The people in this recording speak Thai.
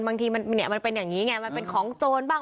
บางทีมันเป็นอย่างนี้ไงมันเป็นของโจรบ้าง